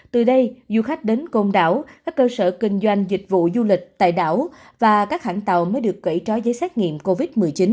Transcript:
từ đây du khách đến côn đảo các cơ sở kinh doanh dịch vụ du lịch tại đảo và các hãng tàu mới được kể trói giấy xét nghiệm covid một mươi chín